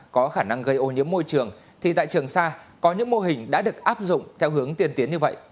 có khả năng gây ô nhiễm môi trường thì tại trường sa có những mô hình đã được áp dụng theo hướng tiên tiến như vậy